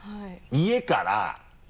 家から。